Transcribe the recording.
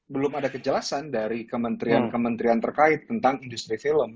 belum ada kejelasan dari kementerian kementerian terkait tentang industri film